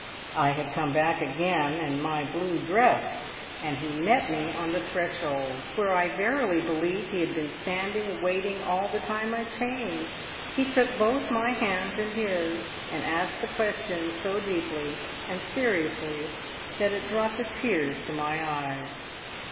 I had come back again in my blue dress! and he met me on the threshold, where I verily believe he had been standing waiting, all the time I changed. He took both my hands in his, and asked the question so deeply and seriously that it brought the tears to my eyes.